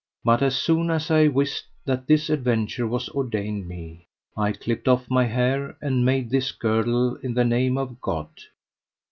But as soon as I wist that this adventure was ordained me I clipped off my hair, and made this girdle in the name of God.